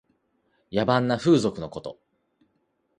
野蛮な風俗のこと。